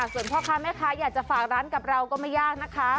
ส่วนพ่อค้าแม่ค้าอยากจะฝากร้านกับเราก็ไม่ยากนะคะ